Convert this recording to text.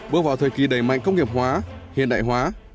bước vào thời kỳ đầy mạnh công nghiệp hóa hiện đại hóa